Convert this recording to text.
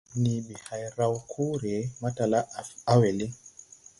Nii ɓi hay raw koore, matala á a we liŋ.